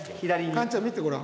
カンちゃん見てごらん。